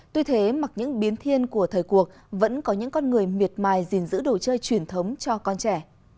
tuy thế mặc những biến thiên của thời cuộc vẫn có những con người miệt mài gìn giữ đồ chơi truyền thống cho con trẻ